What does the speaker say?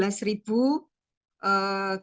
jadi itu tidak terlalu panas